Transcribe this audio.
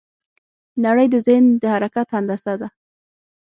نړۍ د ذهن د حرکت هندسه ده.